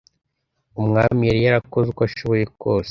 umwami yari yarakoze uko ashoboye kose